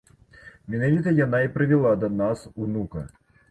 Менавіта яна і прывяла да нас унука.